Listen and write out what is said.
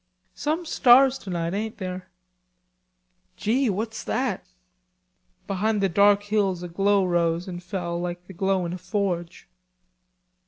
"Some stars tonight, ain't there? Gee, what's that?" Behind the dark hills a glow rose and fell like the glow in a forge.